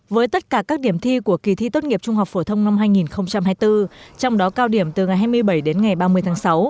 với tất cả các điểm thi của kỳ thi tốt nghiệp trung học phổ thông năm hai nghìn hai mươi bốn trong đó cao điểm từ ngày hai mươi bảy đến ngày ba mươi tháng sáu